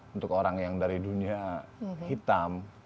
untuk orang yang dari dunia hitam